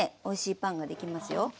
おいしいパンができますよ。